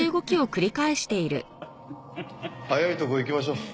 早いとこ行きましょう。